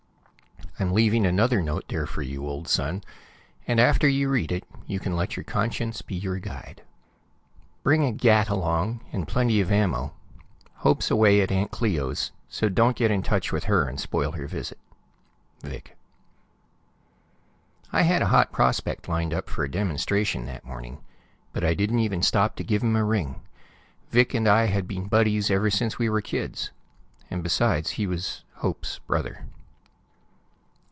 I'm leaving another note there for you, old son, and after you read it you can let your conscience be your guide. Bring a gat along, and plenty of ammo. Hope's away, at Aunt Cleo's, so don't get in touch with her and spoil her visit. Vic I had a hot prospect lined up for a demonstration that morning, but I didn't even stop to give him a ring. Vic and I had been buddies ever since we were kids and, besides, he was Hope's brother.